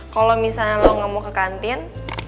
kalau misalnya lo gak mau ke kantin